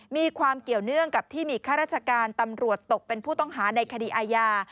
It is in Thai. มีความเกี่ยวเนื่องกับที่มีข้าราชการตำรวจตกเป็นผู้ต้องหาในคดีอาญา